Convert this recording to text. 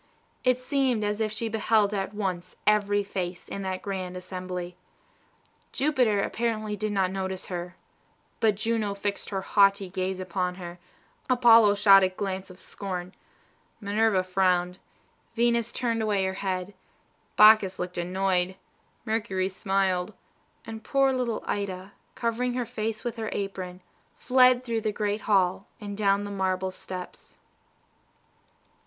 It seemed as if she beheld at once every face in that grand assembly. Jupiter apparently did not notice her; but Juno fixed her haughty gaze upon her, Apollo shot a glance of scorn, Minerva frowned, Venus turned away her head, Bacchus looked annoyed, Mercury smiled, and poor little Ida, covering her face with her apron, fled through the Golden Hall, and down the marble steps.